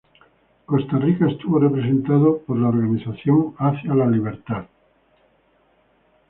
Costa Rica estuvo representada por la organización Hacia la Libertad.